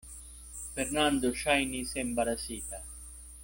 Fernando ŝajnis embarasita.